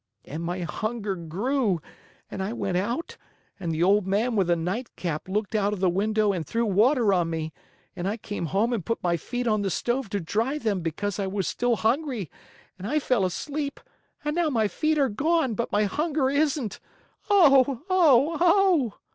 And my hunger grew, and I went out, and the old man with a nightcap looked out of the window and threw water on me, and I came home and put my feet on the stove to dry them because I was still hungry, and I fell asleep and now my feet are gone but my hunger isn't! Oh! Oh! Oh!"